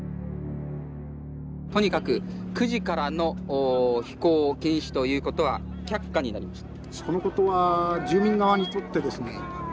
とにかく９時からの飛行禁止ということは却下になりました。